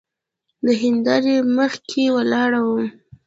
د هندارې په مخکې ولاړ وم.